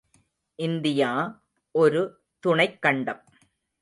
India, ஒரு துணைக் கண்டம்.